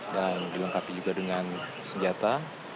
dan dilengkapi juga dengan senjata